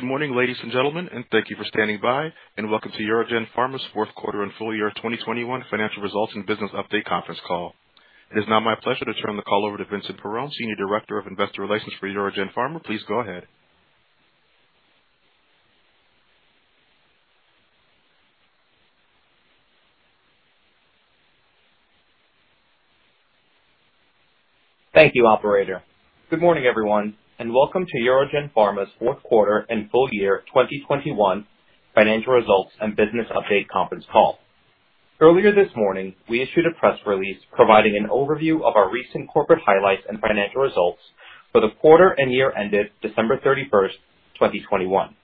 Good morning, ladies and gentlemen, and thank you for standing by. Welcome to UroGen Pharma's fourth quarter and full year 2021 financial results and business update conference call. It is now my pleasure to turn the call over to Vincent Perrone, Senior Director of Investor Relations for UroGen Pharma. Please go ahead. Thank you, operator. Good morning, everyone, and welcome to UroGen Pharma's fourth quarter and full year 2021 financial results and business update conference call. Earlier this morning, we issued a press release providing an overview of our recent corporate highlights and financial results for the quarter and year ended December 31st, 2021.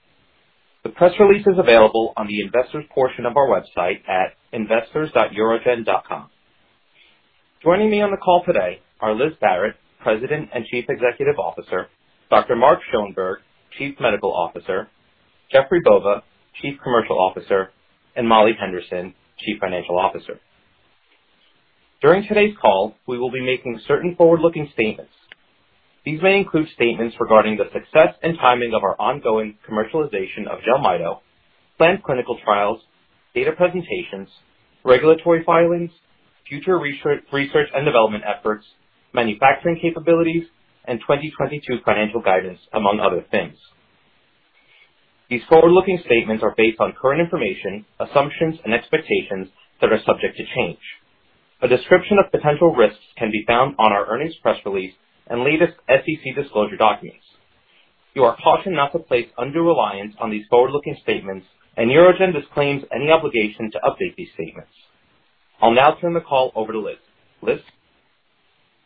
The press release is available on the investors portion of our website at investors.urogen.com. Joining me on the call today are Liz Barrett, President and Chief Executive Officer, Dr. Mark Schoenberg, Chief Medical Officer, Jeffrey Bova, Chief Commercial Officer, and Molly Henderson, Chief Financial Officer. During today's call, we will be making certain forward-looking statements. These may include statements regarding the success and timing of our ongoing commercialization of Jelmyto, planned clinical trials, data presentations, regulatory filings, future research and development efforts, manufacturing capabilities, and 2022 financial guidance, among other things. These forward-looking statements are based on current information, assumptions and expectations that are subject to change. A description of potential risks can be found on our earnings press release and latest SEC disclosure documents. You are cautioned not to place undue reliance on these forward-looking statements, and UroGen disclaims any obligation to update these statements. I'll now turn the call over to Liz. Liz?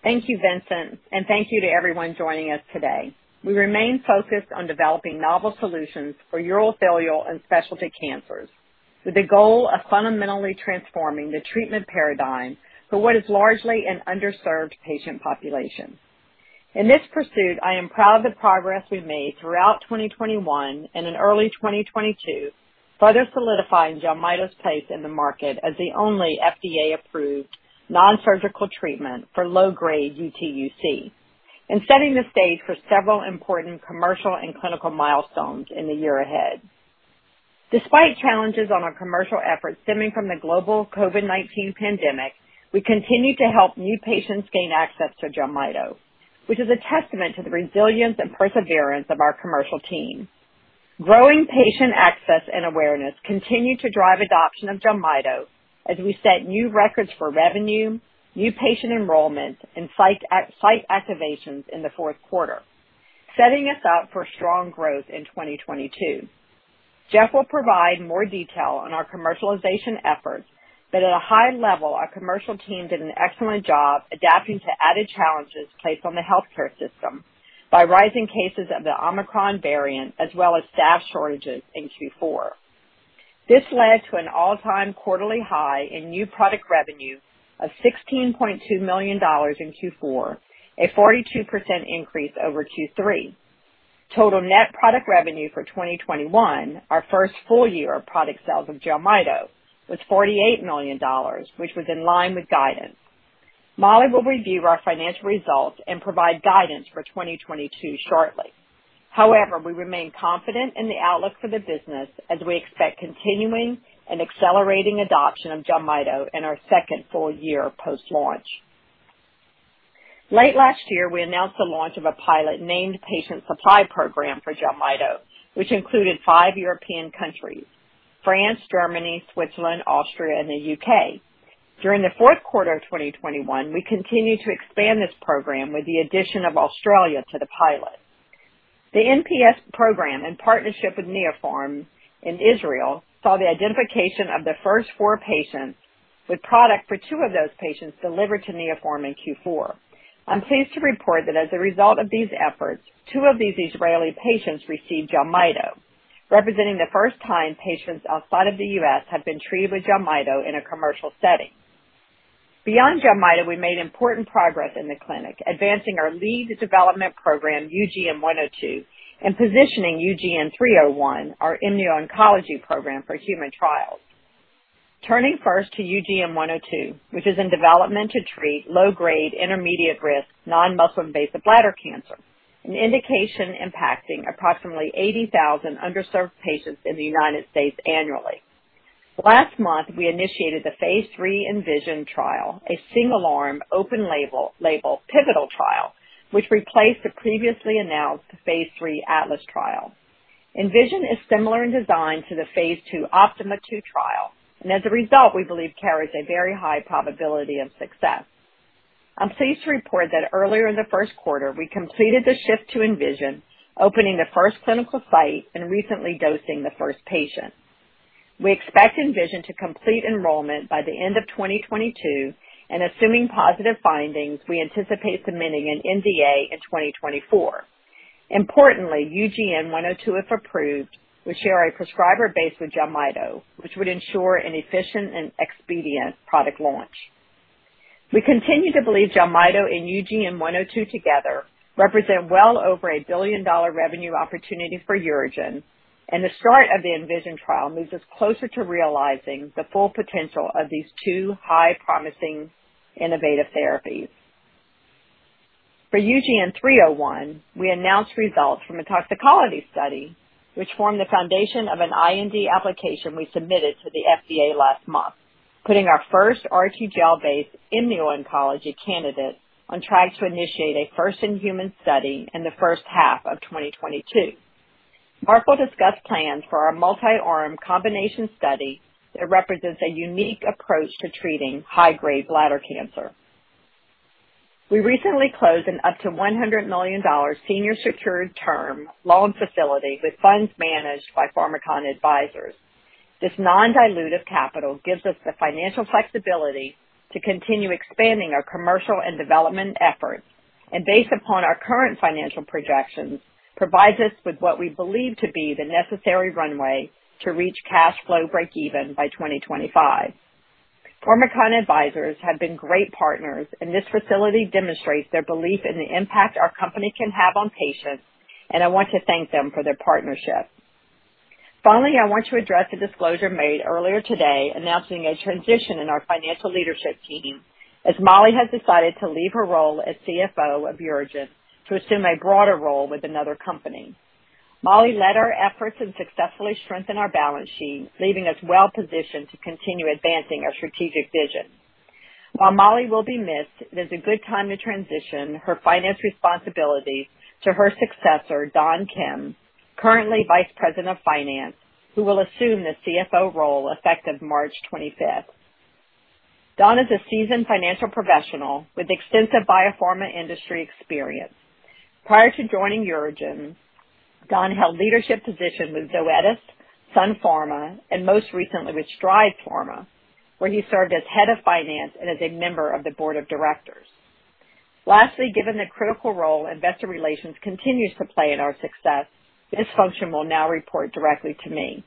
Thank you, Vincent, and thank you to everyone joining us today. We remain focused on developing novel solutions for urothelial and specialty cancers, with the goal of fundamentally transforming the treatment paradigm for what is largely an underserved patient population. In this pursuit, I am proud of the progress we've made throughout 2021 and in early 2022, further solidifying Jelmyto's place in the market as the only FDA-approved non-surgical treatment for low-grade UTUC and setting the stage for several important commercial and clinical milestones in the year ahead. Despite challenges on our commercial efforts stemming from the global COVID-19 pandemic, we continue to help new patients gain access to Jelmyto, which is a testament to the resilience and perseverance of our commercial team. Growing patient access and awareness continue to drive adoption of Jelmyto as we set new records for revenue, new patient enrollment, and site activations in the fourth quarter, setting us up for strong growth in 2022. Jeff will provide more detail on our commercialization efforts, but at a high level, our commercial team did an excellent job adapting to added challenges placed on the healthcare system by rising cases of the Omicron variant as well as staff shortages in Q4. This led to an all-time quarterly high in new product revenue of $16.2 million in Q4, a 42% increase over Q3. Total net product revenue for 2021, our first full year of product sales of Jelmyto, was $48 million, which was in line with guidance. Molly will review our financial results and provide guidance for 2022 shortly. However, we remain confident in the outlook for the business as we expect continuing and accelerating adoption of Jelmyto in our second full year post-launch. Late last year, we announced the launch of a pilot named Named Patient Program for Jelmyto, which included five European countries, France, Germany, Switzerland, Austria, and the U.K. During the fourth quarter of 2021, we continued to expand this program with the addition of Australia to the pilot. The NPS program, in partnership with Neopharm in Israel, saw the identification of the first four patients with product for two of those patients delivered to Neopharm in Q4. I'm pleased to report that as a result of these efforts, two of these Israeli patients received Jelmyto, representing the first time patients outside of the U.S. have been treated with Jelmyto in a commercial setting. Beyond Jelmyto, we made important progress in the clinic, advancing our lead development program, UGN-102, and positioning UGN-301, our immuno-oncology program, for human trials. Turning first to UGN-102, which is in development to treat low-grade intermediate-risk non-muscle invasive bladder cancer, an indication impacting approximately 80,000 underserved patients in the United States annually. Last month, we initiated the phase III ENVISION trial, a single-arm, open-label pivotal trial, which replaced the previously announced phase III ATLAS trial. ENVISION is similar in design to the phase II OPTIMA II trial, and as a result, we believe carries a very high probability of success. I'm pleased to report that earlier in the first quarter, we completed the shift to ENVISION, opening the first clinical site and recently dosing the first patient. We expect ENVISION to complete enrollment by the end of 2022, and assuming positive findings, we anticipate submitting an NDA in 2024. Importantly, UGN-102, if approved, would share a prescriber base with Jelmyto, which would ensure an efficient and expedient product launch. We continue to believe Jelmyto and UGN-102 together represent well over $1 billion revenue opportunity for UroGen, and the start of the ENVISION trial moves us closer to realizing the full potential of these two highly promising innovative therapies. For UGN-301, we announced results from a toxicology study, which formed the foundation of an IND application we submitted to the FDA last month, putting our first RTGel-based immuno-oncology candidate on track to initiate a first-in-human study in the first half of 2022. Mark will discuss plans for our multi-arm combination study that represents a unique approach to treating high-grade bladder cancer. We recently closed an up to $100 million senior secured term loan facility with funds managed by Pharmakon Advisors. This non-dilutive capital gives us the financial flexibility to continue expanding our commercial and development efforts. Based upon our current financial projections, provides us with what we believe to be the necessary runway to reach cash flow breakeven by 2025. Pharmakon Advisors have been great partners, and this facility demonstrates their belief in the impact our company can have on patients, and I want to thank them for their partnership. Finally, I want to address a disclosure made earlier today announcing a transition in our financial leadership team, as Molly has decided to leave her role as CFO of UroGen to assume a broader role with another company. Molly led our efforts and successfully strengthened our balance sheet, leaving us well positioned to continue advancing our strategic vision. While Molly will be missed, it is a good time to transition her finance responsibilities to her successor, Don Kim, currently Vice President of Finance, who will assume the CFO role effective March 25th. Don is a seasoned financial professional with extensive biopharma industry experience. Prior to joining UroGen, Don held leadership positions with Zoetis, Sun Pharma, and most recently with Strides Pharma, where he served as Head of Finance and as a member of the Board of Directors. Lastly, given the critical role investor relations continues to play in our success, this function will now report directly to me.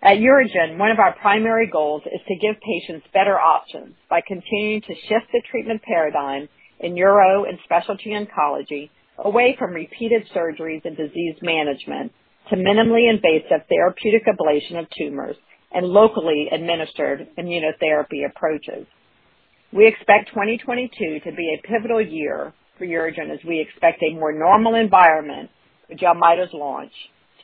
At UroGen, one of our primary goals is to give patients better options by continuing to shift the treatment paradigm in uro and specialty oncology away from repeated surgeries and disease management to minimally invasive therapeutic ablation of tumors and locally administered immunotherapy approaches. We expect 2022 to be a pivotal year for UroGen as we expect a more normal environment with Jelmyto's launch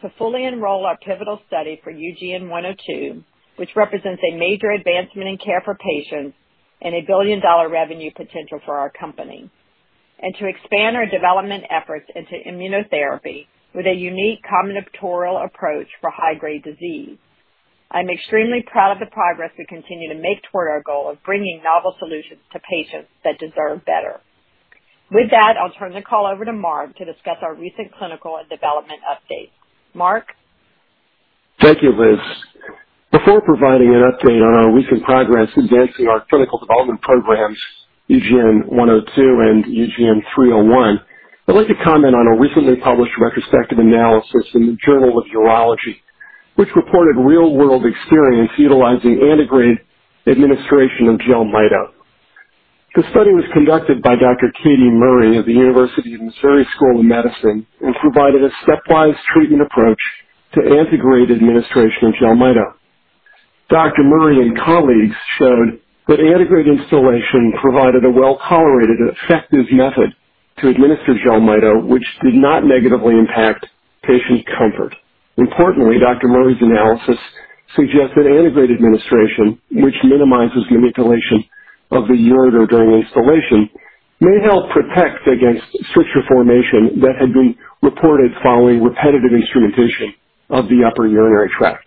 to fully enroll our pivotal study for UGN-102, which represents a major advancement in care for patients and a billion-dollar revenue potential for our company, to expand our development efforts into immunotherapy with a unique combinatorial approach for high-grade disease. I'm extremely proud of the progress we continue to make toward our goal of bringing novel solutions to patients that deserve better. With that, I'll turn the call over to Mark to discuss our recent clinical and development updates. Mark? Thank you, Liz. Before providing an update on our recent progress advancing our clinical development programs, UGN-102 and UGN-301, I'd like to comment on a recently published retrospective analysis in The Journal of Urology, which reported real-world experience utilizing antegrade administration of Jelmyto. The study was conducted by Dr. Katie Murray of the University of Missouri School of Medicine and provided a stepwise treatment approach to antegrade administration of Jelmyto. Dr. Murray and colleagues showed that antegrade installation provided a well-tolerated and effective method to administer Jelmyto, which did not negatively impact patient comfort. Importantly, Dr. Murray's analysis suggests that antegrade administration, which minimizes manipulation of the ureter during installation, may help protect against stricture formation that had been reported following repetitive instrumentation of the upper urinary tract.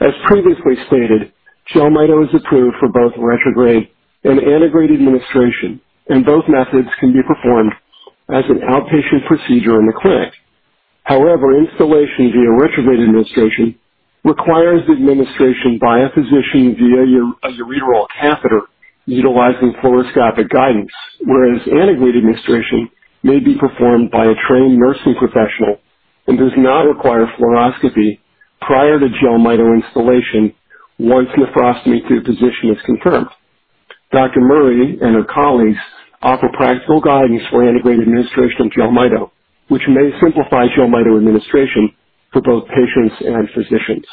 As previously stated, Jelmyto is approved for both retrograde and antegrade administration, and both methods can be performed as an outpatient procedure in the clinic. However, installation via retrograde administration requires administration by a physician via a ureteral catheter utilizing fluoroscopic guidance, whereas antegrade administration may be performed by a trained nursing professional and does not require fluoroscopy prior to Jelmyto installation once nephrostomy tip position is confirmed. Dr. Murray and her colleagues offer practical guidance for antegrade administration of Jelmyto, which may simplify Jelmyto administration for both patients and physicians.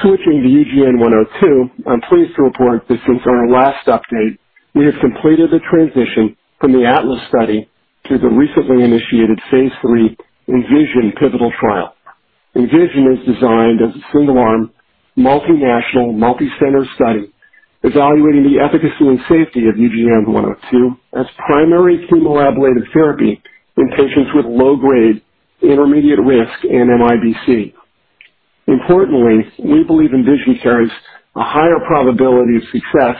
Switching to UGN-102, I'm pleased to report that since our last update, we have completed the transition from the ATLAS study to the recently initiated phase III ENVISION pivotal trial. ENVISION is designed as a single-arm, multinational, multi-center study evaluating the efficacy and safety of UGN-102 as primary tumor ablated therapy in patients with low-grade intermediate-risk NMIBC. Importantly, we believe ENVISION carries a higher probability of success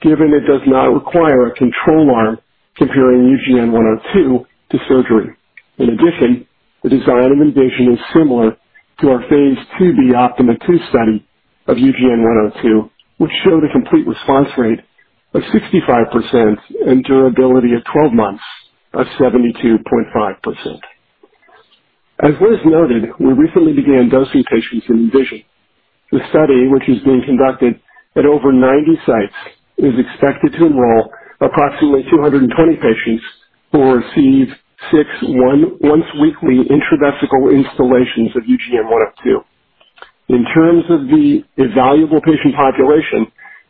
given it does not require a control arm comparing UGN-102 to surgery. In addition, the design of ENVISION is similar to our phase II-B OPTIMA II study of UGN-102, which showed a complete response rate of 65% and durability at 12 months of 72.5%. As Liz noted, we recently began dosing patients in ENVISION. The study, which is being conducted at over 90 sites, is expected to enroll approximately 200 patients who receive once weekly intravesical instillations of UGN-102. In terms of the evaluable patient population,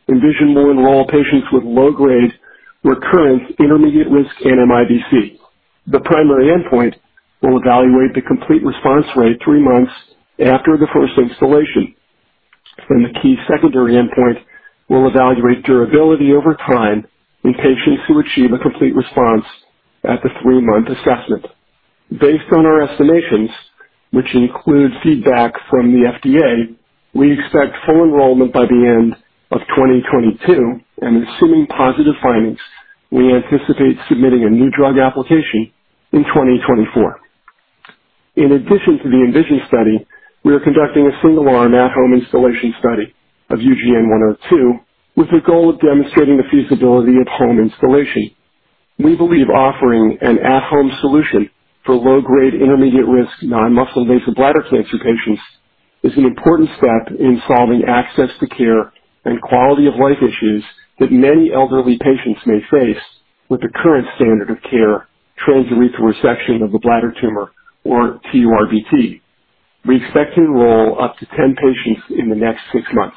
ENVISION will enroll patients with low-grade recurrent intermediate-risk NMIBC. The primary endpoint will evaluate the complete response rate 3 months after the first installation, and the key secondary endpoint will evaluate durability over time in patients who achieve a complete response at the three-month assessment. Based on our estimations, which include feedback from the FDA, we expect full enrollment by the end of 2022 and assuming positive findings, we anticipate submitting a new drug application in 2024. In addition to the ENVISION study, we are conducting a single-arm at-home installation study of UGN-102 with the goal of demonstrating the feasibility of home installation. We believe offering an at-home solution for low-grade intermediate-risk non-muscle invasive bladder cancer patients is an important step in solving access to care and quality of life issues that many elderly patients may face with the current standard of care transurethral resection of the bladder tumor or TURBT. We expect to enroll up to 10 patients in the next six months.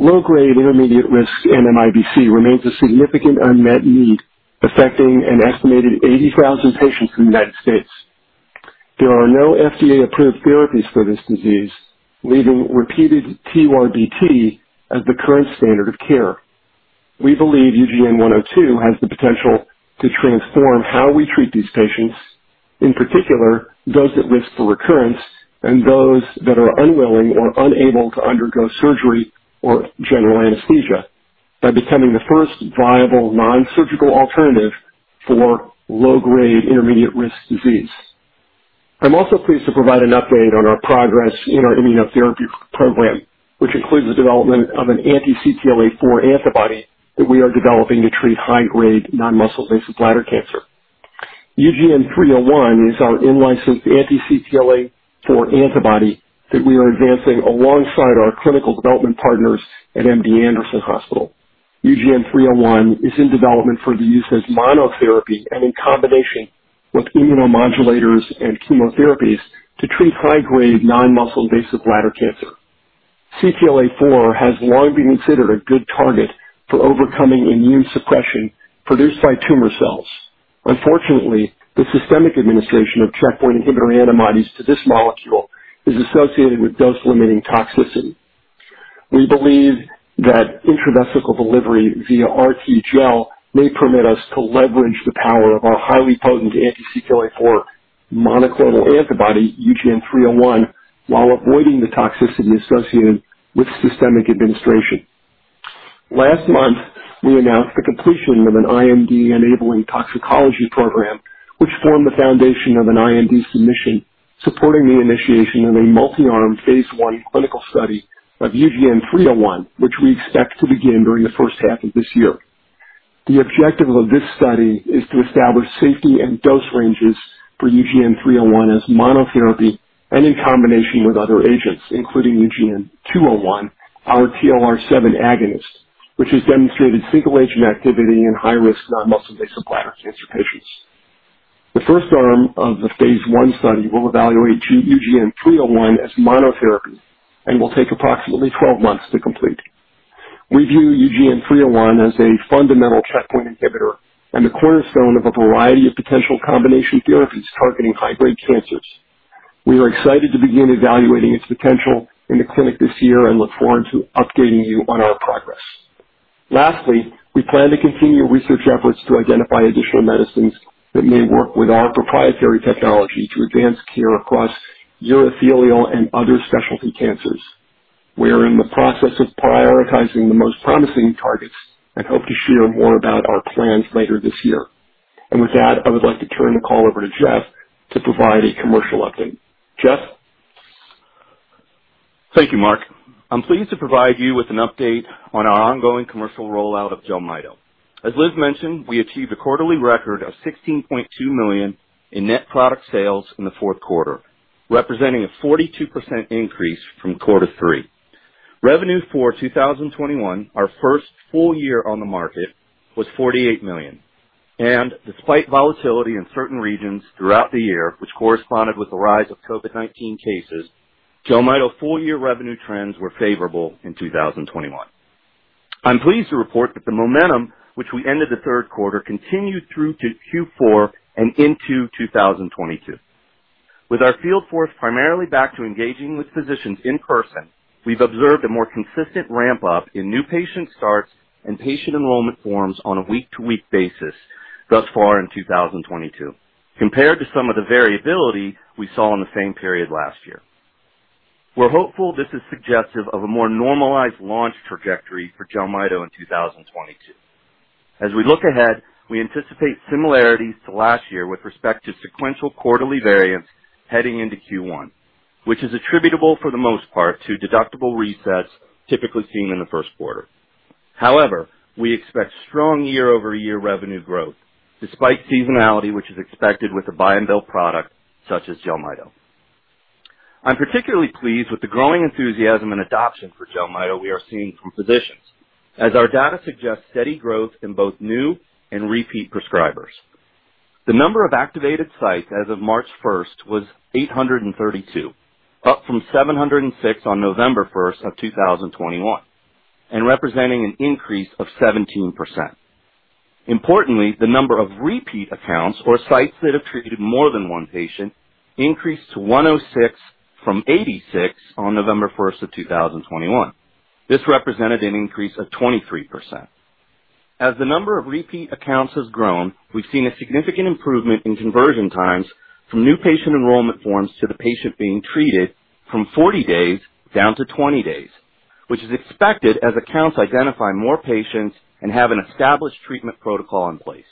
Low-grade intermediate-risk NMIBC remains a significant unmet need, affecting an estimated 80,000 patients in the United States. There are no FDA-approved therapies for this disease, leaving repeated TURBT as the current standard of care. We believe UGN-102 has the potential to transform how we treat these patients, in particular, those at risk for recurrence and those that are unwilling or unable to undergo surgery or general anesthesia by becoming the first viable non-surgical alternative for low-grade intermediate-risk disease. I'm also pleased to provide an update on our progress in our immunotherapy program, which includes the development of an anti-CTLA-4 antibody that we are developing to treat high-grade non-muscle invasive bladder cancer. UGN-301 is our in-licensed anti-CTLA-4 antibody that we are advancing alongside our clinical development partners at MD Anderson Hospital. UGN-301 is in development for the use as monotherapy and in combination with immunomodulators and chemotherapies to treat high-grade non-muscle invasive bladder cancer. CTLA-4 has long been considered a good target for overcoming immune suppression produced by tumor cells. Unfortunately, the systemic administration of checkpoint inhibitor antibodies to this molecule is associated with dose-limiting toxicity. We believe that intravesical delivery via RTGel may permit us to leverage the power of our highly potent anti-CTLA-4 monoclonal antibody, UGN-301, while avoiding the toxicity associated with systemic administration. Last month, we announced the completion of an IND-enabling toxicology program, which formed the foundation of an IND submission supporting the initiation of a multi-arm phase I clinical study of UGN-301, which we expect to begin during the first half of this year. The objective of this study is to establish safety and dose ranges for UGN-301 as monotherapy and in combination with other agents, including UGN-201, our TLR7 agonist, which has demonstrated single-agent activity in high-risk non-muscle invasive bladder cancer patients. The first arm of the phase I study will evaluate UGN-301 as monotherapy and will take approximately 12 months to complete. We view UGN-301 as a fundamental checkpoint inhibitor and the cornerstone of a variety of potential combination therapies targeting high-grade cancers. We are excited to begin evaluating its potential in the clinic this year and look forward to updating you on our progress. Lastly, we plan to continue research efforts to identify additional medicines that may work with our proprietary technology to advance care across urothelial and other specialty cancers. We are in the process of prioritizing the most promising targets and hope to share more about our plans later this year. With that, I would like to turn the call over to Jeff to provide a commercial update. Jeff? Thank you, Mark. I'm pleased to provide you with an update on our ongoing commercial rollout of Jelmyto. As Liz mentioned, we achieved a quarterly record of $16.2 million in net product sales in the fourth quarter, representing a 42% increase from quarter three. Revenue for 2021, our first full year on the market, was $48 million. Despite volatility in certain regions throughout the year, which corresponded with the rise of COVID-19 cases, Jelmyto full-year revenue trends were favorable in 2021. I'm pleased to report that the momentum which we ended the third quarter continued through to Q4 and into 2022. With our field force primarily back to engaging with physicians in person, we've observed a more consistent ramp-up in new patient starts and patient enrollment forms on a week-to-week basis thus far in 2022 compared to some of the variability we saw in the same period last year. We're hopeful this is suggestive of a more normalized launch trajectory for Jelmyto in 2022. As we look ahead, we anticipate similarities to last year with respect to sequential quarterly variance heading into Q1, which is attributable for the most part to deductible resets typically seen in the first quarter. However, we expect strong year-over-year revenue growth despite seasonality, which is expected with a buy-and-bill product such as Jelmyto. I'm particularly pleased with the growing enthusiasm and adoption for Jelmyto we are seeing from physicians, as our data suggests steady growth in both new and repeat prescribers. The number of activated sites as of March 1st was 832, up from 706 on November 1st, 2021, and representing an increase of 17%. Importantly, the number of repeat accounts or sites that have treated more than one patient increased to 106 from 86 on November 1st, 2021. This represented an increase of 23%. As the number of repeat accounts has grown, we've seen a significant improvement in conversion times from new patient enrollment forms to the patient being treated from 40 days down to 20 days, which is expected as accounts identify more patients and have an established treatment protocol in place.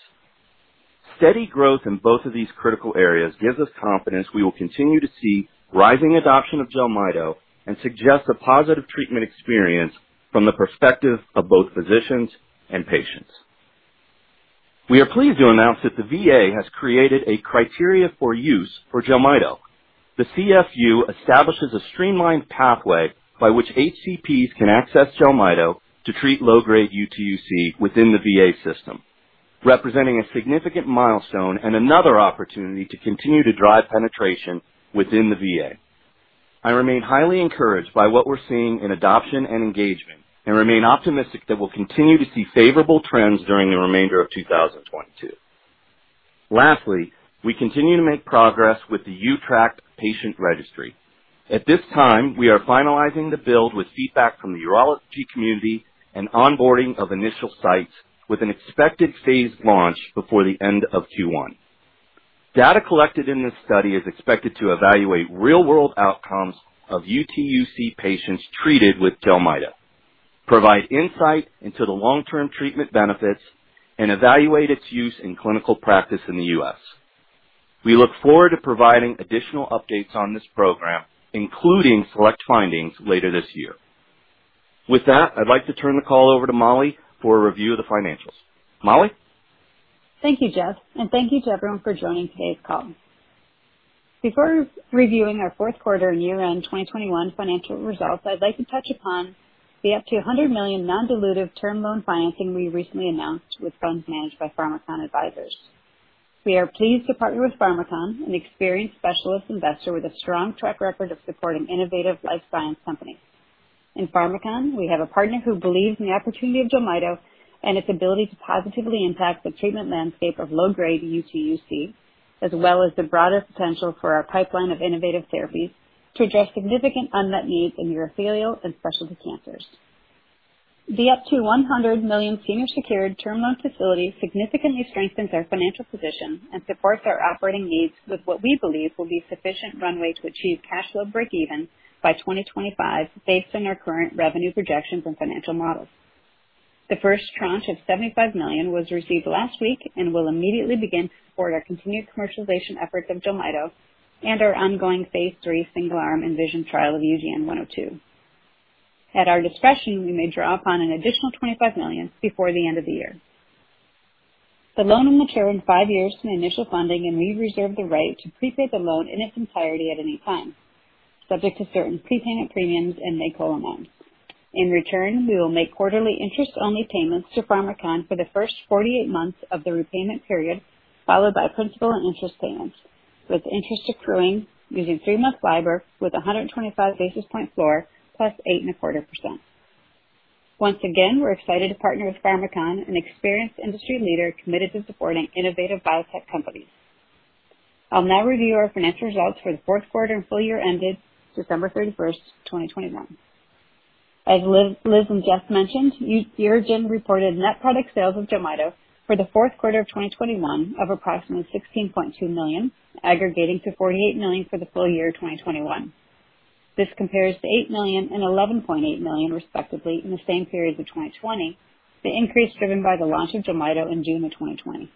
Steady growth in both of these critical areas gives us confidence we will continue to see rising adoption of Jelmyto and suggests a positive treatment experience from the perspective of both physicians and patients. We are pleased to announce that the VA has created a criteria for use for Jelmyto. The CFU establishes a streamlined pathway by which HCPs can access Jelmyto to treat low-grade UTUC within the VA system, representing a significant milestone and another opportunity to continue to drive penetration within the VA. I remain highly encouraged by what we're seeing in adoption and engagement, and remain optimistic that we'll continue to see favorable trends during the remainder of 2022. Lastly, we continue to make progress with the UTRAC patient registry. At this time, we are finalizing the build with feedback from the urology community and onboarding of initial sites with an expected phased launch before the end of Q1. Data collected in this study is expected to evaluate real-world outcomes of UTUC patients treated with Jelmyto, provide insight into the long-term treatment benefits, and evaluate its use in clinical practice in the U.S. We look forward to providing additional updates on this program, including select findings later this year. With that, I'd like to turn the call over to Molly for a review of the financials. Molly. Thank you, Jeff, and thank you to everyone for joining today's call. Before reviewing our fourth quarter and year-end 2021 financial results, I'd like to touch upon the up to $100 million non-dilutive term loan financing we recently announced with funds managed by Pharmakon Advisors. We are pleased to partner with Pharmakon, an experienced specialist investor with a strong track record of supporting innovative life science companies. In Pharmakon, we have a partner who believes in the opportunity of Jelmyto and its ability to positively impact the treatment landscape of low-grade UTUC, as well as the broader potential for our pipeline of innovative therapies to address significant unmet needs in urothelial and specialty cancers. The up to $100 million senior secured term loan facility significantly strengthens our financial position and supports our operating needs with what we believe will be sufficient runway to achieve cash flow breakeven by 2025, based on our current revenue projections and financial models. The first tranche of $75 million was received last week and will immediately begin for our continued commercialization efforts of Jelmyto and our ongoing phase III single arm ENVISION trial of UGN-102. At our discretion, we may draw upon an additional $25 million before the end of the year. The loan will mature in five years from the initial funding, and we reserve the right to prepay the loan in its entirety at any time, subject to certain prepayment premiums and make-whole amounts. In return, we will make quarterly interest-only payments to Pharmakon for the first 48 months of the repayment period, followed by principal and interest payments, with interest accruing using three-month LIBOR with a 125 basis point floor plus 8.25%. Once again, we're excited to partner with Pharmakon, an experienced industry leader committed to supporting innovative biotech companies. I'll now review our financial results for the fourth quarter and full year ended December 31st, 2021. As Liz and Jeff mentioned, UroGen reported net product sales of Jelmyto for the fourth quarter of 2021 of approximately $16.2 million, aggregating to $48 million for the full year 2021. This compares to $8 million and $11.8 million, respectively, in the same periods of 2020. The increase driven by the launch of Jelmyto in June of 2020.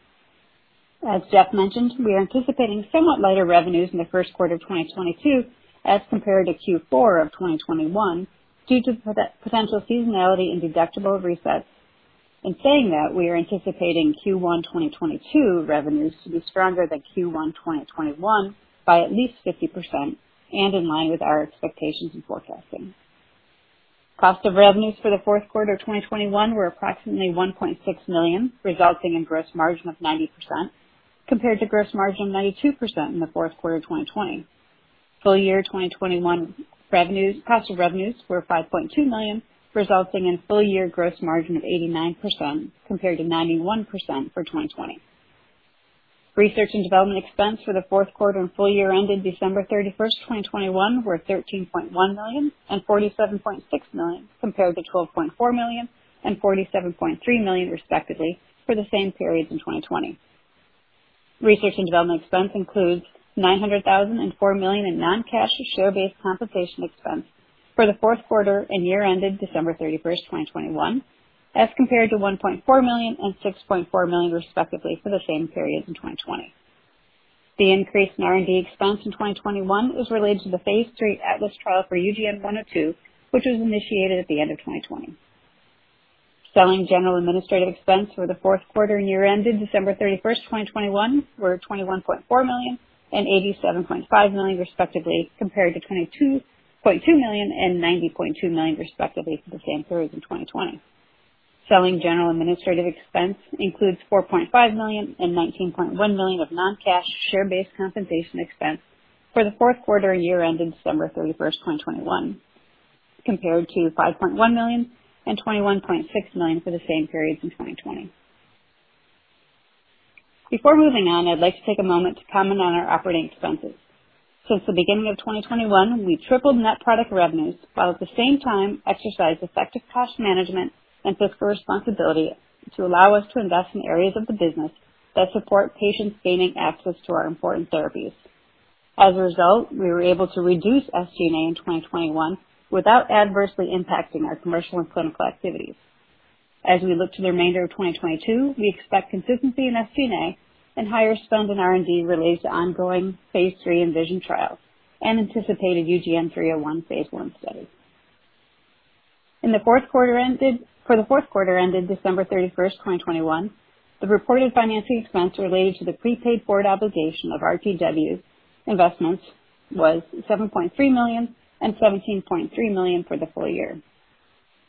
As Jeff mentioned, we are anticipating somewhat lighter revenues in the first quarter of 2022 as compared to Q4 of 2021 due to the potential seasonality and deductible resets. In saying that, we are anticipating Q1 2022 revenues to be stronger than Q1 2021 by at least 50% and in line with our expectations and forecasting. Cost of revenues for the fourth quarter 2021 were approximately $1.6 million, resulting in gross margin of 90%, compared to gross margin 92% in the fourth quarter of 2020. Full year 2021 cost of revenues were $5.2 million, resulting in full year gross margin of 89%, compared to 91% for 2020. Research and development expense for the fourth quarter and full year ended December 31st, 2021, were $13.1 million and $47.6 million, compared to $12.4 million and $47.3 million, respectively, for the same periods in 2020. Research and development expense includes $900,000 and $4 million in non-cash share-based compensation expense for the fourth quarter and year ended December 31st, 2021, as compared to $1.4 million and $6.4 million, respectively, for the same period in 2020. The increase in R&D expense in 2021 was related to the phase III ATLAS trial for UGN-102, which was initiated at the end of 2020. Selling, general, and administrative expense for the fourth quarter and year ended December 31st, 2021, were $21.4 million and $87.5 million, respectively, compared to $22.2 million and $90.2 million, respectively, for the same periods in 2020. Selling, general, and administrative expense includes $4.5 million and $19.1 million of non-cash share-based compensation expense for the fourth quarter and year ended December 31st, 2021, compared to $5.1 million and $21.6 million for the same period in 2020. Before moving on, I'd like to take a moment to comment on our operating expenses. Since the beginning of 2021, we tripled net product revenues while at the same time exercised effective cost management and fiscal responsibility to allow us to invest in areas of the business that support patients gaining access to our important therapies. As a result, we were able to reduce SG&A in 2021 without adversely impacting our commercial and clinical activities. As we look to the remainder of 2022, we expect consistency in SG&A and higher spend in R&D related to ongoing phase III ENVISION trials and anticipated UGN-301-01 phase I studies. In the fourth quarter ended December 31st, 2021, the reported financing expense related to the prepaid forward obligation of RTW Investments was $7.3 million and $17.3 million for the full year.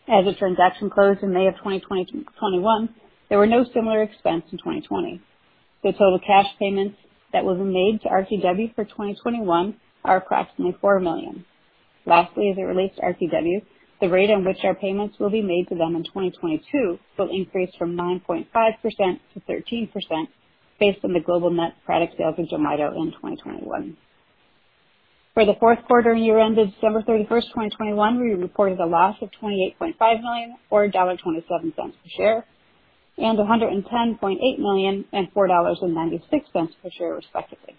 As the transaction closed in May of 2021, there were no similar expense in 2020. The total cash payments that was made to RTW for 2021 are approximately $4 million. Lastly, as it relates to RTW, the rate in which our payments will be made to them in 2022 will increase from 9.5% to 13% based on the global net product sales of Jelmyto in 2021. For the fourth quarter and year ended December 31st, 2021, we reported a loss of $28.5 million, or $1.27 per share, and $110.8 million or $4.96 per share, respectively.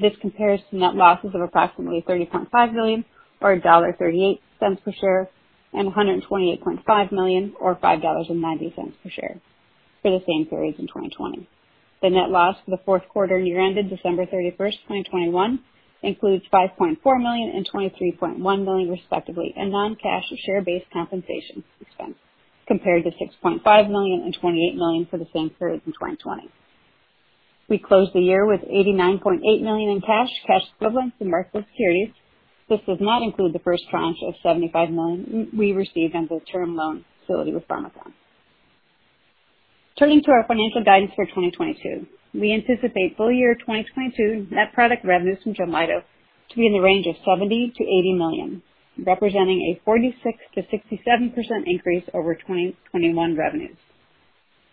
This compares to net losses of approximately $30.5 million or $1.38 per share, and $128.5 million or $5.90 per share for the same period in 2020. The net loss for the fourth quarter and year ended December 31st, 2021, includes $5.4 million and $23.1 million, respectively, in non-cash share-based compensation expense, compared to $6.5 million and $28 million for the same period in 2020. We closed the year with $89.8 million in cash equivalents, and marketable securities. This does not include the first tranche of $75 million we received on the term loan facility with Pharmakon. Turning to our financial guidance for 2022. We anticipate full year 2022 net product revenues from Jelmyto to be in the range of $70 million-$80 million, representing a 46%-67% increase over 2021 revenues.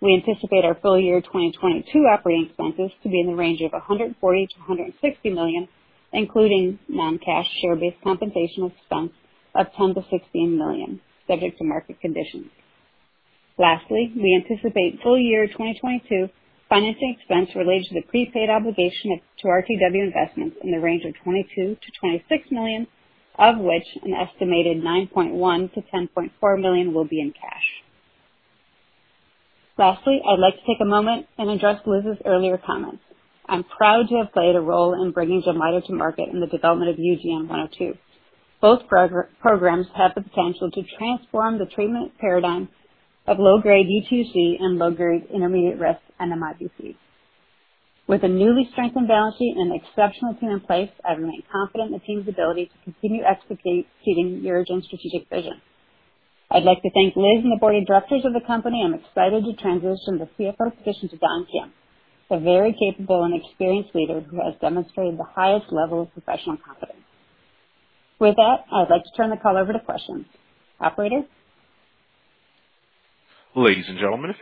We anticipate our full year 2022 operating expenses to be in the range of $140 million-$160 million, including non-cash share-based compensation expense of $10 million-$16 million, subject to market conditions. Lastly, we anticipate full year 2022 financing expense related to the prepaid obligation to RTW Investments in the range of $22 million-$26 million, of which an estimated $9.1 million-$10.4 million will be in cash. Lastly, I'd like to take a moment and address Liz's earlier comments. I'm proud to have played a role in bringing Jelmyto to market in the development of UGN102. Both programs have the potential to transform the treatment paradigm of low-grade UTUC and low-grade intermediate risk NMIBC. With a newly strengthened balance sheet and an exceptional team in place, I remain confident in the team's ability to continue executing UroGen's strategic vision. I'd like to thank Liz and the board of directors of the company. I'm excited to transition the CFO position to Don Kim, a very capable and experienced leader who has demonstrated the highest level of professional competence. With that, I'd like to turn the call over to questions. Operator? Our first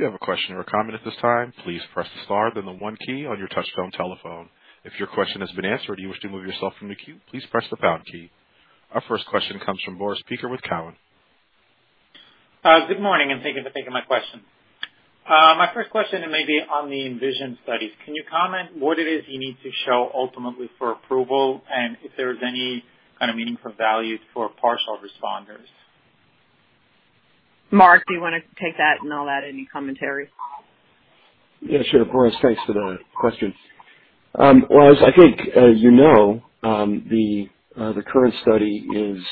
question comes from Boris Peaker with Cowen. Good morning, and thank you for taking my question. My first question may be on the ENVISION studies. Can you comment what it is you need to show ultimately for approval and if there is any kind of meaningful value for partial responders? Mark, do you wanna take that and I'll add any commentary? Yeah, sure. Boris, thanks for the question. Well, as you know, the current study is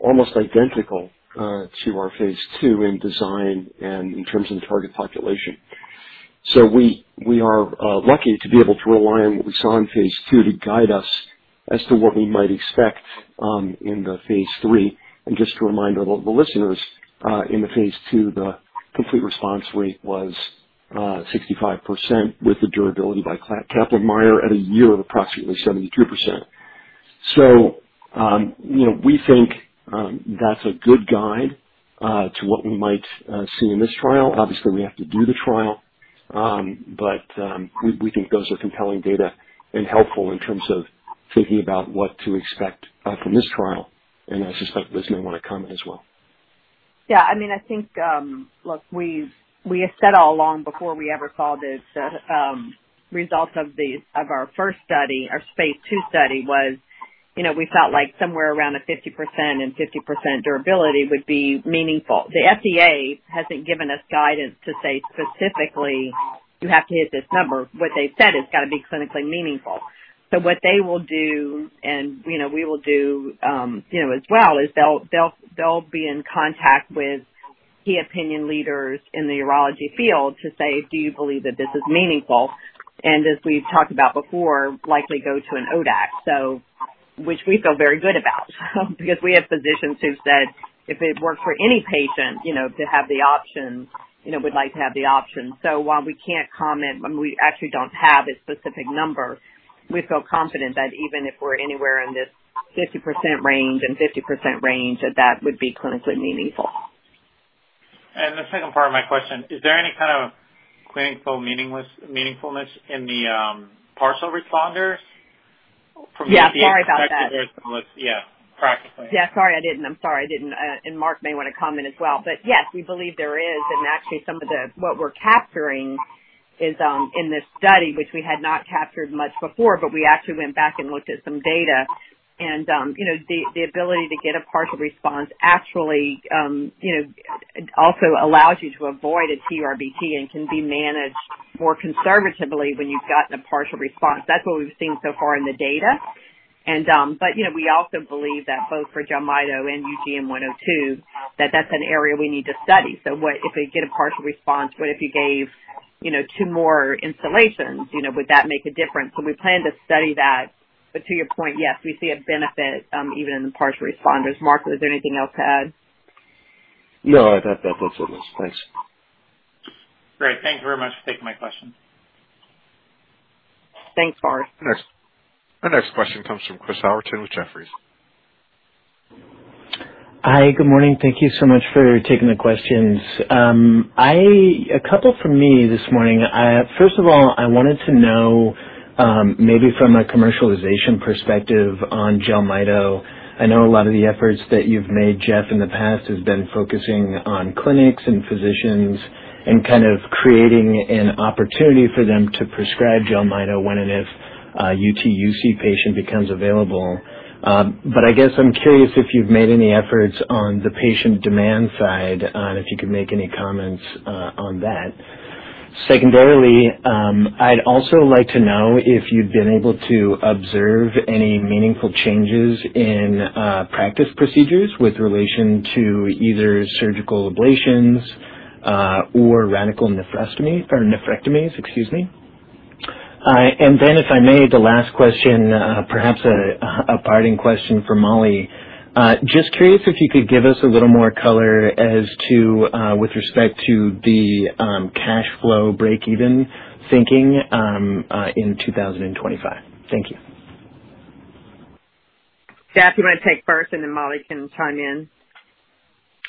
almost identical to our phase II in design and in terms of the target population. We are lucky to be able to rely on what we saw in phase II to guide us as to what we might expect in the phase III. Just to remind the listeners, in the phase II, the complete response rate was 65% with the durability by Kaplan-Meier at a year of approximately 73%. You know, we think that's a good guide to what we might see in this trial. Obviously, we have to do the trial. We think those are compelling data and helpful in terms of thinking about what to expect from this trial. I suspect Liz may wanna comment as well. Yeah, I mean, I think, look, we have said all along before we ever saw the results of our first study. Our phase II study was, you know, we felt like somewhere around 50% and 50% durability would be meaningful. The FDA hasn't given us guidance to say, specifically, "You have to hit this number." What they've said, "It's gotta be clinically meaningful." So what they will do, and you know, we will do, you know, as well, is they'll be in contact with key opinion leaders in the urology field to say, "Do you believe that this is meaningful?" And as we've talked about before, likely go to an ODAC. Which we feel very good about because we have physicians who've said if it weren't for any patient, you know, to have the option, you know, would like to have the option. While we can't comment when we actually don't have a specific number, we feel confident that even if we're anywhere in this 50% range and 50% range, that that would be clinically meaningful. The second part of my question, is there any kind of clinical meaningfulness in the partial responders from the- Yeah. Sorry about that. Yeah, practically. Yeah, sorry, I didn't. Mark may want to comment as well. Yes, we believe there is. Actually, what we're capturing is in this study, which we had not captured much before, but we actually went back and looked at some data. You know, the ability to get a partial response actually also allows you to avoid a TURBT and can be managed more conservatively when you've gotten a partial response. That's what we've seen so far in the data. But you know, we also believe that both for Jelmyto and UGN-102, that's an area we need to study. What if we get a partial response? What if you gave two more instillations? You know, would that make a difference? We plan to study that. To your point, yes, we see a benefit, even in partial responders. Mark, was there anything else to add? No, I thought that was it. Thanks. Great. Thank you very much for taking my question. Thanks, Boris. Next. Our next question comes from Chris Howerton with Jefferies. Hi. Good morning. Thank you so much for taking the questions. A couple from me this morning. First of all, I wanted to know, maybe from a commercialization perspective on Jelmyto, I know a lot of the efforts that you've made, Jeff, in the past has been focusing on clinics and physicians and kind of creating an opportunity for them to prescribe Jelmyto when and if a UTUC patient becomes available. But I guess I'm curious if you've made any efforts on the patient demand side and if you could make any comments on that. Secondarily, I'd also like to know if you've been able to observe any meaningful changes in practice procedures with relation to either surgical ablations or radical nephroureterectomies. Excuse me. If I may, the last question, perhaps a parting question for Molly. Just curious if you could give us a little more color as to, with respect to the cash flow break-even thinking in 2025. Thank you. Jeff, you wanna take first, and then Molly can chime in.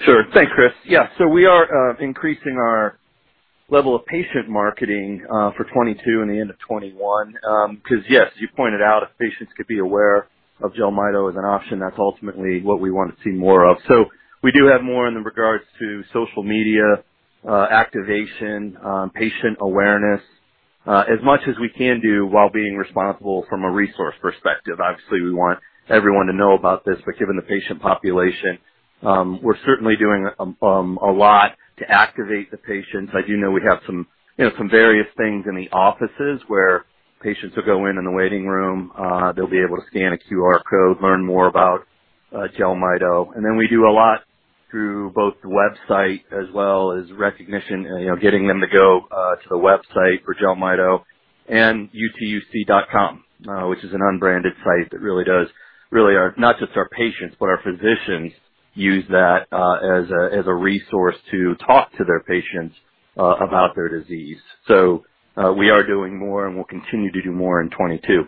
Sure. Thanks, Chris. Yeah. We are increasing our level of patient marketing for 2022 and the end of 2021 because yes, you pointed out if patients could be aware of Jelmyto as an option, that's ultimately what we wanna see more of. We do have more in regards to social media activation, patient awareness, as much as we can do while being responsible from a resource perspective. Obviously, we want everyone to know about this, but given the patient population, we're certainly doing a lot to activate the patients. I do know we have some, you know, some various things in the offices where patients will go in in the waiting room, they'll be able to scan a QR code, learn more about Jelmyto. We do a lot through both the website as well as recognition, you know, getting them to go to the website for Jelmyto and utuc.com, which is an unbranded site that really is not just for our patients, but our physicians use that as a resource to talk to their patients about their disease. We are doing more, and we'll continue to do more in 2022.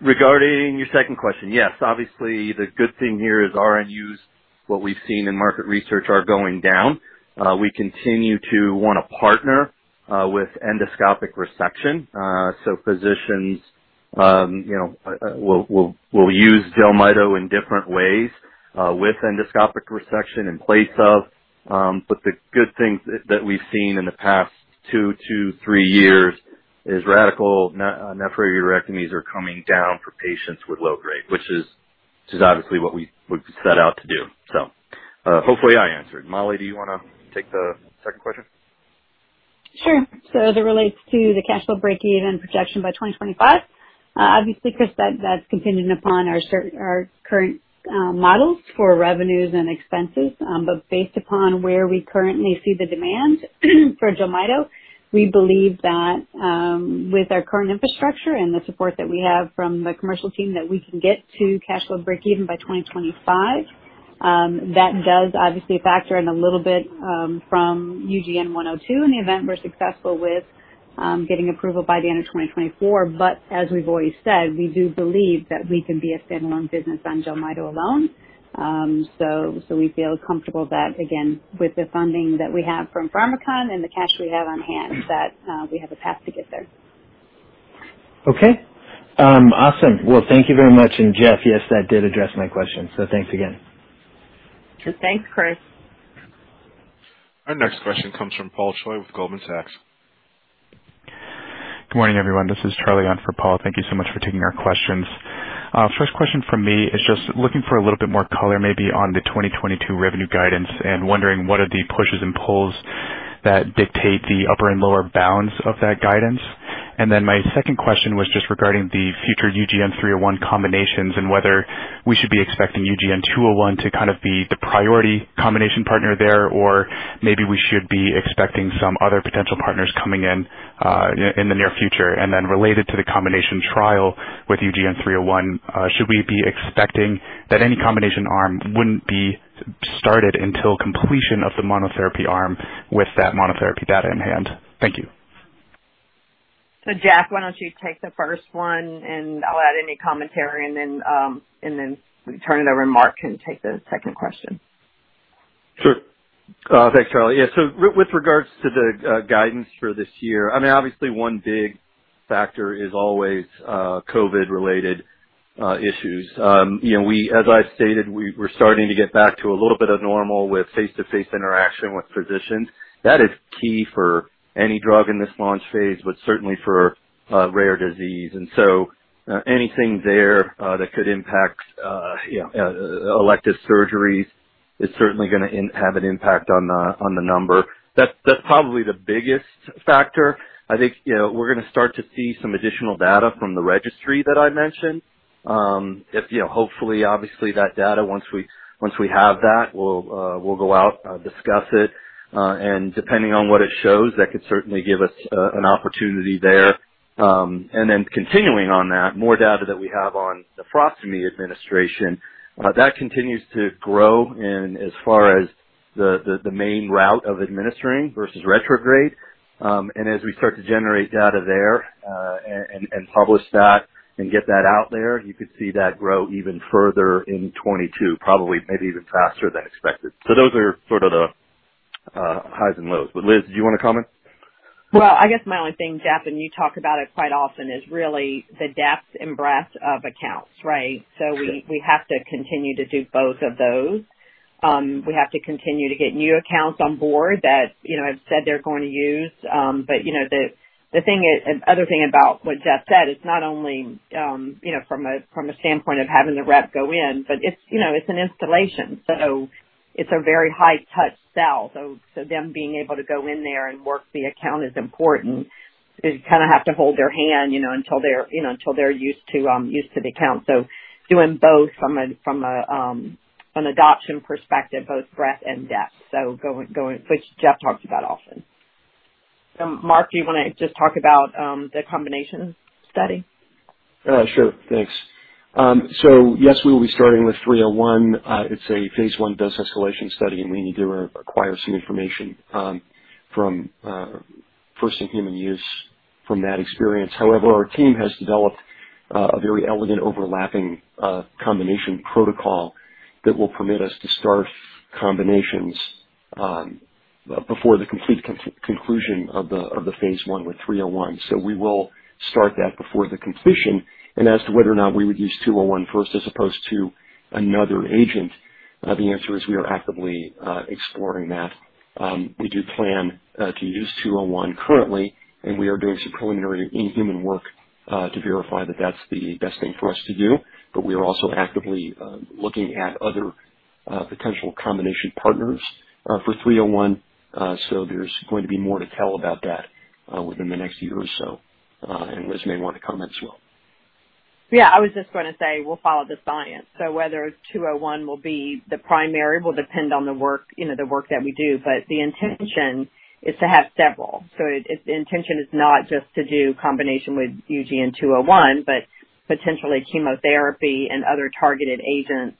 Regarding your second question, yes, obviously the good thing here is RNUs, what we've seen in market research are going down. We continue to wanna partner with endoscopic resection. Physicians, you know, will use Jelmyto in different ways with endoscopic resection in place of but the good things that we've seen in the past 2-3 years is radical nephrectomy are coming down for patients with low grade, which is obviously what we would set out to do. Hopefully I answered. Molly, do you wanna take the second question? Sure. As it relates to the cash flow break even projection by 2025, obviously, Chris, that's contingent upon our current models for revenues and expenses. Based upon where we currently see the demand for Jelmyto, we believe that, with our current infrastructure and the support that we have from the commercial team, that we can get to cash flow break even by 2025. That does obviously factor in a little bit, from UGN-102 in the event we're successful with getting approval by the end of 2024. As we've always said, we do believe that we can be a standalone business on Jelmyto alone. We feel comfortable that again, with the funding that we have from Pharmakon and the cash we have on hand, that we have a path to get there. Okay. Awesome. Well, thank you very much. Jeff, yes, that did address my question. Thanks again. Sure. Thanks, Chris. Our next question comes from Paul Choi with Goldman Sachs. Good morning, everyone. This is Charlie on for Paul. Thank you so much for taking our questions. First question from me is just looking for a little bit more color maybe on the 2022 revenue guidance and wondering what are the pushes and pulls that dictate the upper and lower bounds of that guidance. My second question was just regarding the future UGN-301 combinations and whether we should be expecting UGN-201 to kind of be the priority combination partner there, or maybe we should be expecting some other potential partners coming in in the near future. Related to the combination trial with UGN-301, should we be expecting that any combination arm wouldn't be started until completion of the monotherapy arm with that monotherapy data in hand? Thank you. Jeff, why don't you take the first one and I'll add any commentary, and then we can turn it over and Mark can take the second question. Sure. Thanks, Charlie. Yeah, so with regards to the guidance for this year, I mean, obviously one big factor is always COVID-related issues. You know, as I've stated, we're starting to get back to a little bit of normal with face-to-face interaction with physicians. That is key for any drug in this launch phase, but certainly for a rare disease. Anything there that could impact you know elective surgeries is certainly gonna have an impact on the number. That's probably the biggest factor. I think, you know, we're gonna start to see some additional data from the registry that I mentioned. If, you know, hopefully, obviously, that data once we have that, we'll go out discuss it. Depending on what it shows, that could certainly give us an opportunity there. Continuing on that, more data that we have on nephrostomy administration, that continues to grow in as far as the main route of administering versus retrograde. As we start to generate data there, and publish that and get that out there, you could see that grow even further in 2022, probably maybe even faster than expected. Those are sort of the highs and lows. Liz, did you wanna comment? Well, I guess my only thing, Jeff, and you talk about it quite often, is really the depth and breadth of accounts, right? Sure. We have to continue to do both of those. We have to continue to get new accounts on board that, you know, have said they're going to use. You know, the thing is, the other thing about what Jeff said, it's not only, you know, from a standpoint of having the rep go in, but it's, you know, it's an installation, so it's a very high touch sell. Them being able to go in there and work the account is important. You kinda have to hold their hand, you know, until they're used to the account. Doing both from an adoption perspective, both breadth and depth. Which Jeff talks about often. Mark, do you wanna just talk about the combination study? Sure. Thanks. Yes, we will be starting with 301. It's a phase I dose escalation study, and we need to acquire some information from first in human use from that experience. However, our team has developed a very elegant overlapping combination protocol that will permit us to start combinations before the complete conclusion of the phase I with 301. We will start that before the completion. As to whether or not we would use 201 first as opposed to another agent, the answer is we are actively exploring that. We do plan to use 201 currently, and we are doing some preliminary in-human work to verify that that's the best thing for us to do. We are also actively looking at other potential combination partners for 301. There's going to be more to tell about that within the next year or so. Liz may want to comment as well. Yeah, I was just gonna say we'll follow the science. Whether 201 will be the primary will depend on the work, you know, the work that we do. The intention is to have several. It's intention is not just to do combination with UGN-201, but potentially chemotherapy and other targeted agents,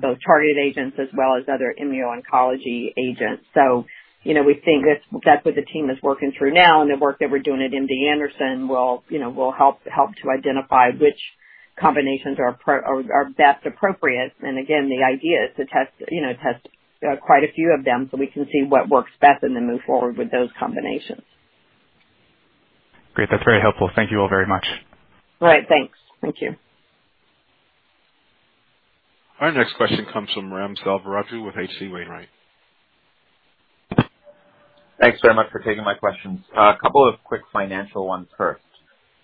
both targeted agents as well as other immuno-oncology agents. You know, we think that's what the team is working through now, and the work that we're doing at MD Anderson will, you know, help to identify which combinations are best appropriate. Again, the idea is to test, you know, quite a few of them so we can see what works best and then move forward with those combinations. Great. That's very helpful. Thank you all very much. All right, thanks. Thank you. Our next question comes from Ram Selvaraju with H.C. Wainwright. Thanks very much for taking my questions. Couple of quick financial ones first.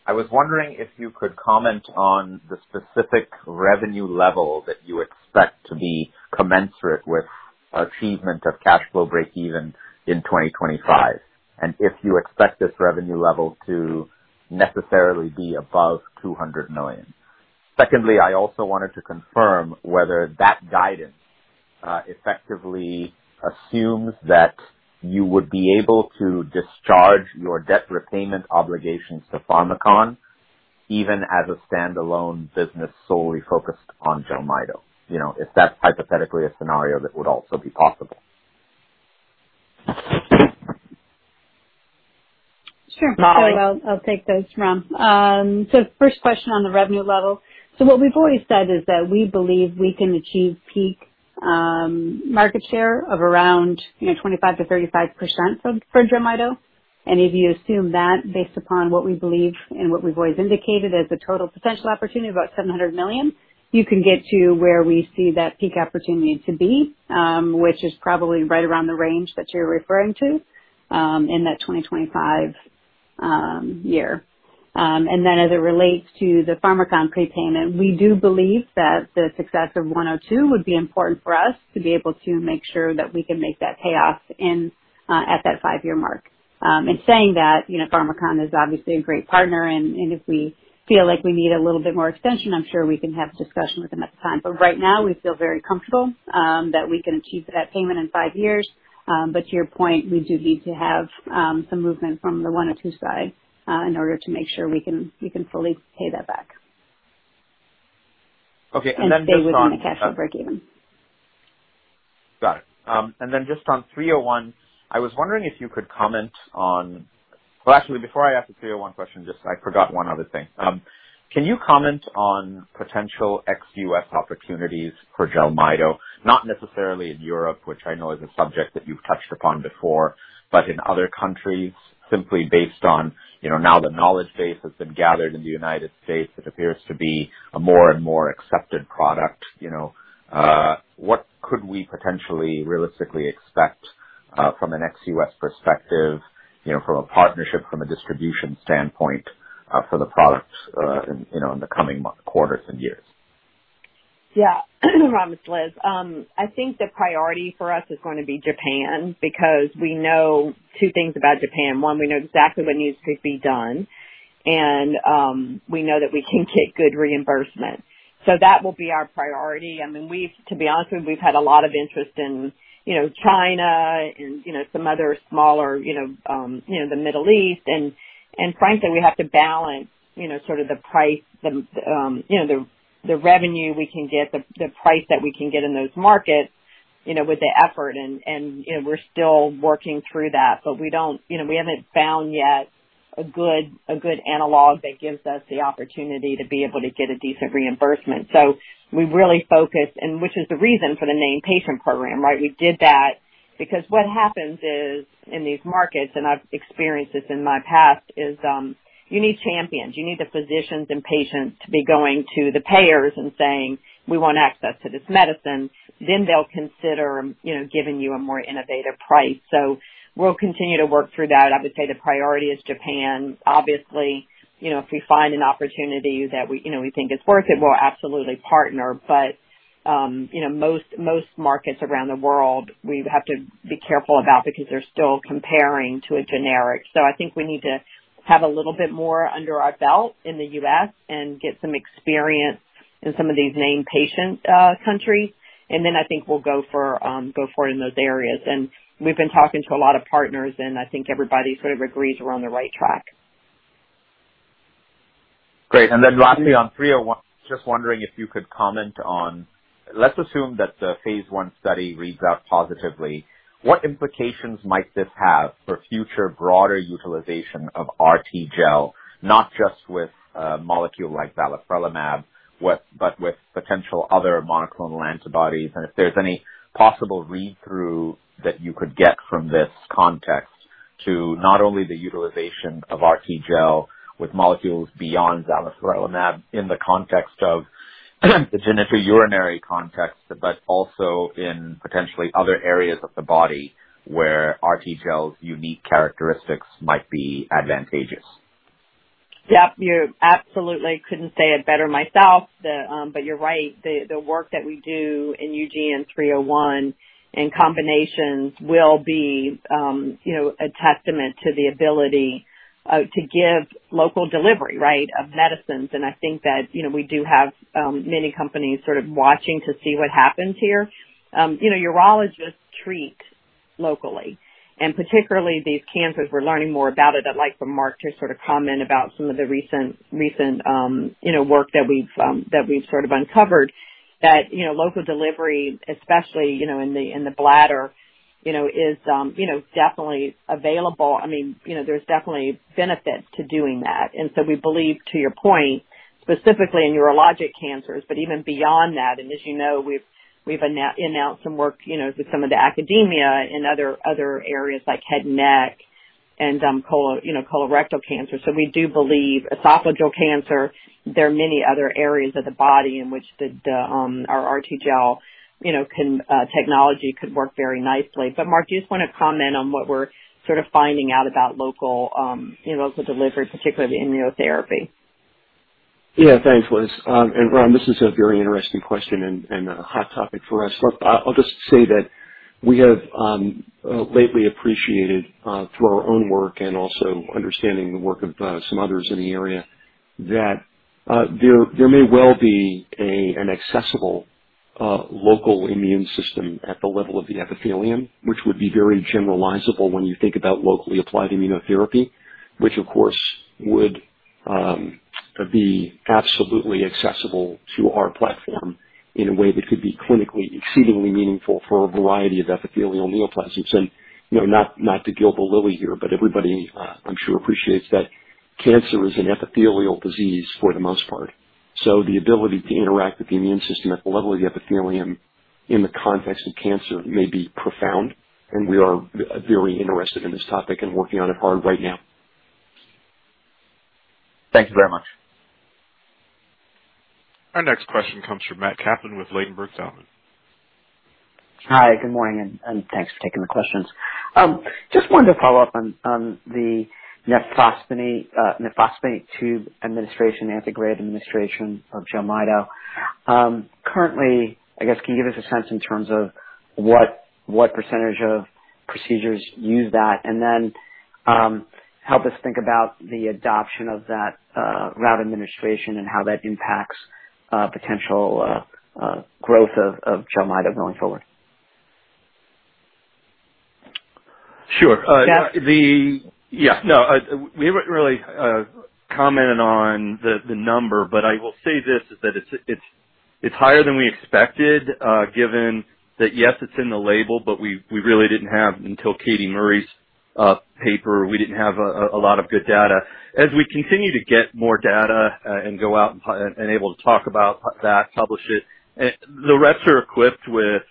I was wondering if you could comment on the specific revenue level that you expect to be commensurate with achievement of cash flow breakeven in 2025, and if you expect this revenue level to necessarily be above $200 million. Secondly, I also wanted to confirm whether that guidance effectively assumes that you would be able to discharge your debt repayment obligations to Pharmakon even as a standalone business solely focused on Jelmyto. You know, if that's hypothetically a scenario that would also be possible. Sure. I'll take those, Ram. First question on the revenue level. What we've always said is that we believe we can achieve peak market share of around, you know, 25%-35% for Jelmyto. If you assume that based upon what we believe and what we've always indicated as a total potential opportunity of about $700 million, you can get to where we see that peak opportunity to be, which is probably right around the range that you're referring to, in 2025. As it relates to the Pharmakon prepayment, we do believe that the success of UGN-102 would be important for us to be able to make sure that we can make that payoff at that five-year mark. In saying that, you know, Pharmakon is obviously a great partner, and if we feel like we need a little bit more extension, I'm sure we can have a discussion with them at the time. Right now, we feel very comfortable that we can achieve that payment in five years. To your point, we do need to have some movement from the UGN-102 side in order to make sure we can fully pay that back. Okay. Just on Stay within the cash breakeven. Got it. Just on 301, I was wondering if you could comment on. Well, actually, before I ask the 301, I forgot one other thing. Can you comment on potential ex-US opportunities for Jelmyto? Not necessarily in Europe, which I know is a subject that you've touched upon before, but in other countries simply based on, you know, now the knowledge base that's been gathered in the United States, it appears to be a more and more accepted product. You know, what could we potentially realistically expect, from an ex-US perspective, you know, from a partnership, from a distribution standpoint, for the products, in, you know, in the coming months, quarters and years? Yeah. It's Liz. I think the priority for us is gonna be Japan, because we know two things about Japan. One, we know exactly what needs to be done, and we know that we can get good reimbursement. That will be our priority. I mean, we've, to be honest with you, we've had a lot of interest in, you know, China and, you know, some other smaller, you know, the Middle East. Frankly, we have to balance, you know, sort of the price, you know, the revenue we can get, the price that we can get in those markets, you know, with the effort and, you know, we're still working through that. We don't, you know, we haven't found yet a good analog that gives us the opportunity to be able to get a decent reimbursement. We really focus and which is the reason for the Named Patient Program, right? We did that because what happens is, in these markets, and I've experienced this in my past, is, you need champions. You need the physicians and patients to be going to the payers and saying, "We want access to this medicine." Then they'll consider, you know, giving you a more innovative price. We'll continue to work through that. I would say the priority is Japan. Obviously, you know, if we find an opportunity that we, you know, we think is worth it, we'll absolutely partner. You know, most markets around the world we have to be careful about because they're still comparing to a generic. I think we need to have a little bit more under our belt in the U.S. and get some experience in some of these named patient countries. Then I think we'll go for it in those areas. We've been talking to a lot of partners, and I think everybody sort of agrees we're on the right track. Great. Lastly, on 301, just wondering if you could comment on, let's assume that the phase I study reads out positively. What implications might this have for future broader utilization of RTGel, not just with a molecule like zalifrelimab, but with potential other monoclonal antibodies, and if there's any possible read-through that you could get from this context to not only the utilization of RTGel with molecules beyond zalifrelimab in the context of the genitourinary context, but also in potentially other areas of the body where RTGel's unique characteristics might be advantageous. Yeah. You absolutely couldn't say it better myself. You're right. The work that we do in UGN-301 and combinations will be, you know, a testament to the ability to give local delivery, right, of medicines. I think that, you know, we do have many companies sort of watching to see what happens here. You know, urologists treat locally, and particularly these cancers. We're learning more about it. I'd like for Mark to sort of comment about some of the recent, you know, work that we've sort of uncovered. That, you know, local delivery especially, you know, in the bladder, you know, is definitely available. I mean, you know, there's definitely benefit to doing that. We believe to your point, specifically in urologic cancers, but even beyond that. As you know, we've announced some work, you know, with some of the academia in other areas like head and neck and, you know, colorectal cancer. We do believe esophageal cancer. There are many other areas of the body in which our RTGel technology could work very nicely. But Mark, do you just wanna comment on what we're sort of finding out about local delivery, particularly immunotherapy? Yeah. Thanks, Liz. Ram, this is a very interesting question and a hot topic for us. Look, I'll just say that we have lately appreciated through our own work and also understanding the work of some others in the area, that there may well be an accessible local immune system at the level of the epithelium, which would be very generalizable when you think about locally applied immunotherapy, which of course would be absolutely accessible to our platform in a way that could be clinically exceedingly meaningful for a variety of epithelial neoplasms. You know, not to gild the lily here, but everybody I'm sure appreciates that cancer is an epithelial disease for the most part. The ability to interact with the immune system at the level of the epithelium in the context of cancer may be profound, and we are very interested in this topic and working on it hard right now. Thank you very much. Our next question comes from Matthew Kaplan with Ladenburg Thalmann. Hi, good morning, and thanks for taking the questions. Just wanted to follow up on the nephrostomy tube administration, antegrade administration of Jelmyto. Currently, can you give us a sense in terms of what percentage of procedures use that? Help us think about the adoption of that route administration and how that impacts potential growth of Jelmyto going forward. Sure. Yeah. Yeah, no. We haven't really commented on the number, but I will say this, is that it's higher than we expected, given that yes, it's in the label, but we really didn't have until Katie Murray's paper, we didn't have a lot of good data. As we continue to get more data, and go out and able to talk about that, publish it. The reps are equipped with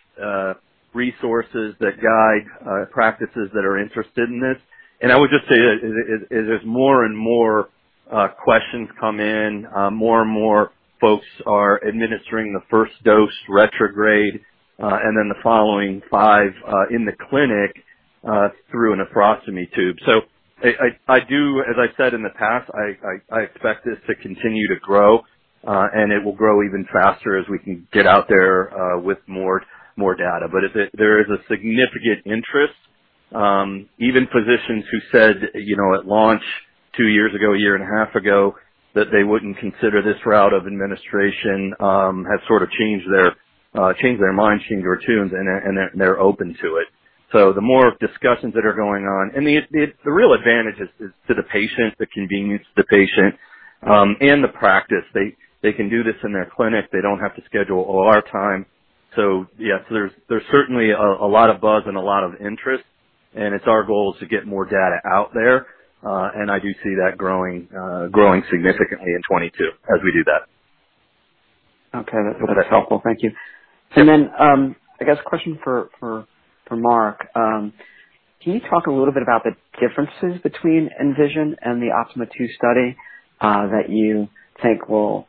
resources that guide practices that are interested in this. I would just say that as more and more questions come in, more and more folks are administering the first dose retrograde, and then the following 5 in the clinic through a nephrostomy tube. I do, as I said in the past, I expect this to continue to grow, and it will grow even faster as we can get out there with more data. But there is a significant interest, even physicians who said, you know, at launch two years ago, a year and a half ago, that they wouldn't consider this route of administration, have sort of changed their minds, changed their tunes, and they're open to it. The more discussions that are going on. The real advantage is to the patient, the convenience to the patient, and the practice. They can do this in their clinic. They don't have to schedule OR time. Yes, there's certainly a lot of buzz and a lot of interest, and it's our goal is to get more data out there. I do see that growing significantly in 2022 as we do that. Okay. That's helpful. Thank you. I guess question for Mark. Can you talk a little bit about the differences between ENVISION and the OPTIMA II study, that you think will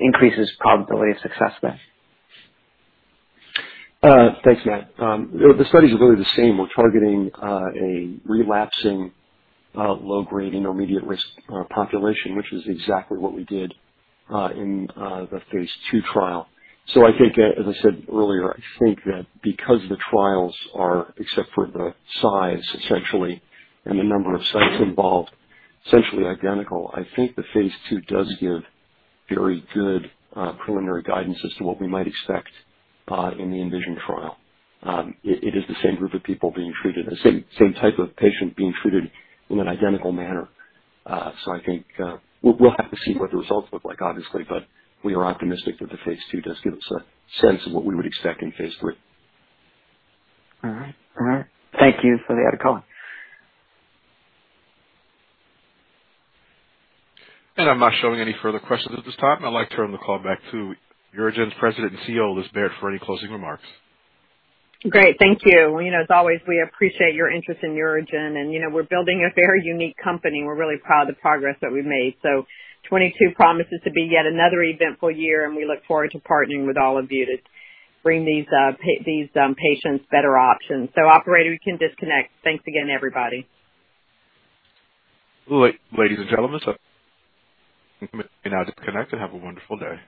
increases probability of success then? Thanks, Matt. The studies are really the same. We're targeting a relapsing low-grade intermediate risk population, which is exactly what we did in the phase II trial. I think, as I said earlier, I think that because the trials are, except for the size essentially, and the number of sites involved, essentially identical, I think the phase II does give very good preliminary guidance as to what we might expect in the ENVISION trial. It is the same group of people being treated, the same type of patient being treated in an identical manner. I think we'll have to see what the results look like, obviously, but we are optimistic that the phase II does give us a sense of what we would expect in phase III. All right. Thank you for the added color. I'm not showing any further questions at this time. I'd like to turn the call back to UroGen's President and CEO, Liz Barrett, for any closing remarks. Great. Thank you. You know, as always, we appreciate your interest in UroGen, and you know we're building a very unique company. We're really proud of the progress that we've made. 2022 promises to be yet another eventful year, and we look forward to partnering with all of you to bring these patients better options. Operator, we can disconnect. Thanks again, everybody. Ladies and gentlemen, you may now disconnect and have a wonderful day.